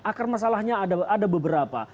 akar masalahnya ada beberapa